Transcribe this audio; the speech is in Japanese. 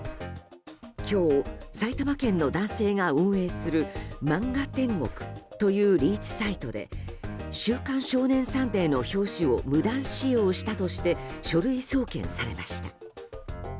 今日、埼玉県の男性が運営する漫画天国というリーチサイトで「週刊少年サンデー」の表紙を無断使用したとして書類送検されました。